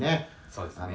「そうですね」